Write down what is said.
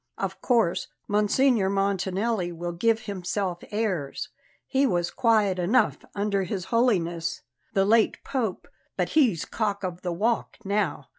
Of course Monsignor Montanelli will give himself airs; he was quiet enough under His Holiness the late Pope, but he's cock of the walk now.